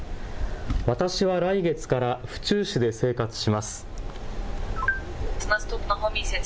私は来月から府中市で生活します。